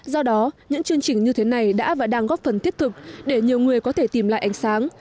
do đó những chương trình như thế này đã và đang góp phần thiết thực để nhiều người có thể tìm lại ánh sáng